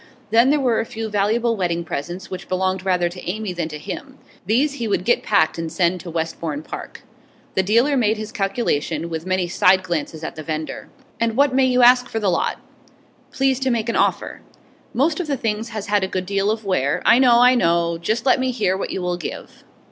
Then there were a few valuable wedding presents, which belonged rather to Amy than to him; these he would get packed and send to Westbourne Park. The dealer made his calculation, with many side glances at the vendor. 'And what may you ask for the lot?' 'Please to make an offer.' 'Most of the things has had a good deal of wear ' 'I know, I know. Just let me hear what you will give.